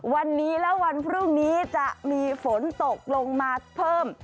วันนี้และวันพรุ่งนี้จะมีฝนตกลงมาเพิ่ม